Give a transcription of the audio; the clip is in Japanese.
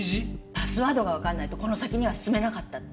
パスワードがわからないとこの先には進めなかったって。